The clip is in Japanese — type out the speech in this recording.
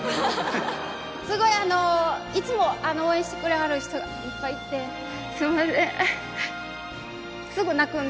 すごいあのいつも応援してくれはる人がいっぱいいてすんません